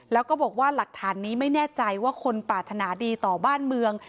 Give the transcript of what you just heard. แล้วก็บอกว่าหลักฐานนี้ไม่แน่ใจว่าคนปรารถนาดีต่อบ้านเมือง